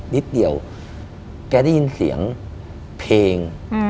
นิดเดียวแกได้ยินเสียงเพลง